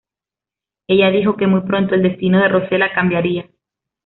Ella dijo que muy pronto el destino de Rosella cambiaría.